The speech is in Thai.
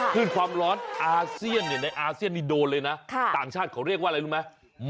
ขึ้นความร้อนอาเซียนในอาเซียนนี่โดนเลยนะต่างชาติเขาเรียกว่าอะไรรู้ไหม